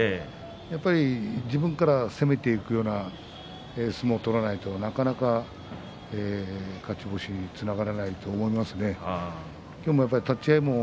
やっぱり自分から攻めていくような相撲を取らないとなかなか勝ち星につながらないと思いますね。